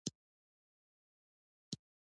وطن پرې ايښى ښه دى ، نه ورور وژلى.